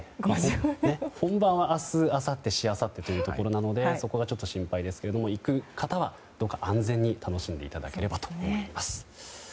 本番は明日、あさってしあさってなのでそこが心配ですけれども行く方は、どうか安全に楽しんでいただければと思います。